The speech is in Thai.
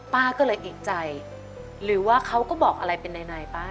ป้าก็เลยเอกใจหรือว่าเขาก็บอกอะไรเป็นในป้า